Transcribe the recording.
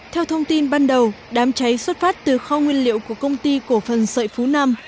theo thông tin ban đầu đám cháy xuất phát từ kho nguyên liệu của công ty cổ phần sợi phú nam